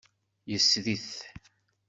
Yesri-t.